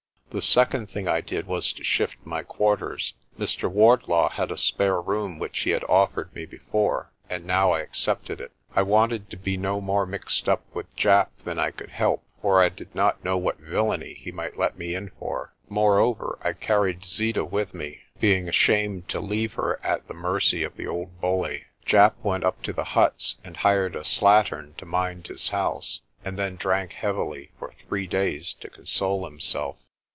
The second thing I did was to shift my quarters. Mr. Wardlaw had a spare room which he had offered me before, and now I accepted it. I wanted to be no more mixed up with Japp than I could help, for I did not know what villainy he might let me in for. Moreover, I carried Zeeta with me, being ashamed to leave her at the mercy of the old bully. Japp went up to the huts and hired a slattern to mind his house, and then drank heavily for three days to console himself.